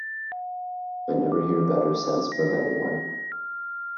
I never hear better sense from anyone..